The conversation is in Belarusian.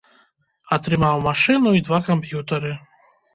Атрымаў машыну і два камп'ютары.